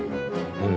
うん？